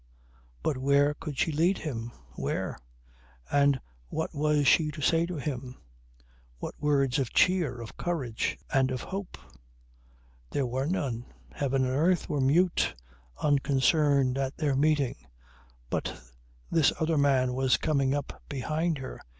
But where could she lead him? Where? And what was she to say to him? What words of cheer, of courage and of hope? There were none. Heaven and earth were mute, unconcerned at their meeting. But this other man was coming up behind her.